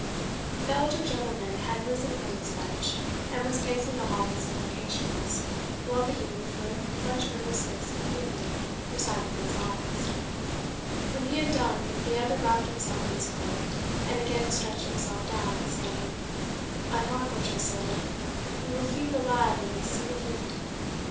The elder gentleman had risen from his bench, and was pacing the hall with some impatience, while the youth, with much earnestness and feeling, recited these lines. When he had done, the other wrapped himself in his cloak, and again stretched himself down, saying, "I marvel, Tressilian, you will feed the lad in this silly humour.